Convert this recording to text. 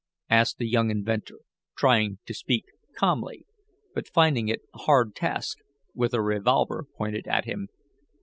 asked the young inventor, trying to speak calmly, but finding it a hard task, with a revolver pointed at him.